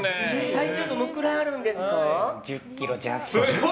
体重どのぐらいあるんですか？